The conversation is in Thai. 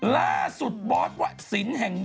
ล่าสุดบอสวะสิน